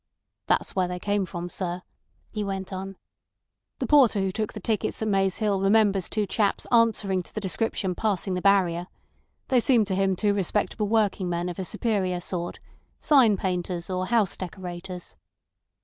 "That's where they came from, sir," he went on. "The porter who took the tickets at Maze Hill remembers two chaps answering to the description passing the barrier. They seemed to him two respectable working men of a superior sort—sign painters or house decorators.